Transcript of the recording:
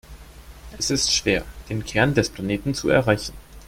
Es ist schwer, den Kern des Planeten zu erreichen.